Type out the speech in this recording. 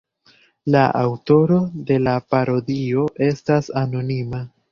La aŭtoro de la parodio estas anonima.